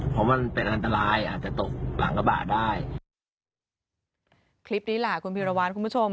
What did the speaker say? เพราะมันเป็นอันตรายอาจจะตกหลังกระบะได้คลิปนี้แหละคุณพีรวัตรคุณผู้ชม